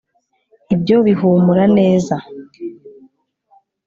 ibyo bihumura neza